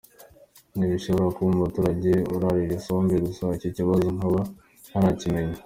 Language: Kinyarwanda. Ntibishoboka ko hari umuturage urarira isombe gusa, icyo kibazo nkaba ntarakimenya.